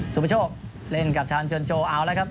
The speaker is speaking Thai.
ประโชคเล่นกับทางเจินโจเอาแล้วครับ